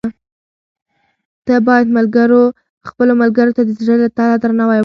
ته باید خپلو ملګرو ته د زړه له تله درناوی وکړې.